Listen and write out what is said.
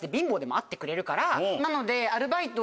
なので。